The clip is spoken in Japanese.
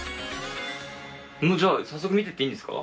じゃあ早速見てっていいんですか？